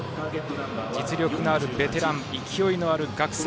実力のあるベテラン勢いのある学生